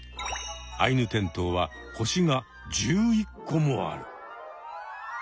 アイヌテントウは星が１１個もある！